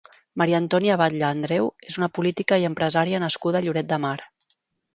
Maria Antònia Batlle Andreu és una política i empresària nascuda a Lloret de Mar.